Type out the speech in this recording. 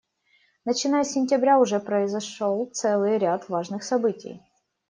Начиная с сентября уже произошел целый ряд важных событий.